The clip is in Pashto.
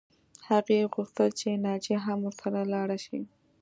هغې غوښتل چې ناجیه هم ورسره لاړه شي